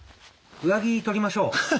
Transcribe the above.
上着取りましょう。